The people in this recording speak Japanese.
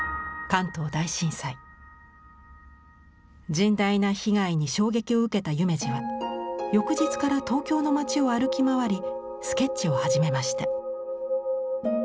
甚大な被害に衝撃を受けた夢二は翌日から東京の街を歩き回りスケッチを始めました。